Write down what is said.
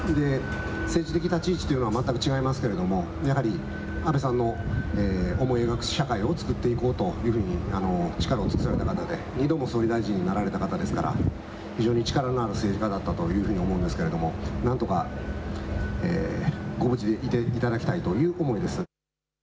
政治的立ち位置というのは全く違いますけれども、やはり安倍さんの思い描く社会を作っていこうというふうに力を尽くされた方で、２度も総理大臣になられた方ですから、非常に力のある政治家だったというふうに思うんですけれども、なんとかご無事でいていただきたいという思いです。